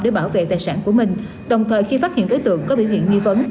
để bảo vệ tài sản của mình đồng thời khi phát hiện đối tượng có biểu hiện nghi vấn